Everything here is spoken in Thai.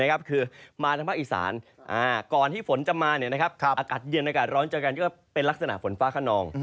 คือมาทางภาคอีสานก่อนที่ฝนจะมาอากาศเย็นอากาศร้อนเจอกันก็เป็นลักษณะฝนฟ้าขนอง